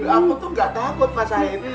aku tuh nggak takut mas said